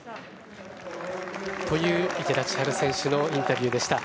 という池田千晴選手のインタビューでした。